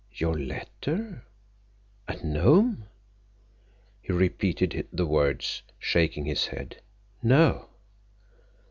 "Your letter? At Nome?" He repeated the words, shaking his head. "No."